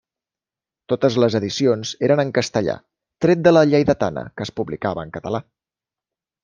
Totes les edicions eren en castellà tret de la lleidatana, que es publicava en català.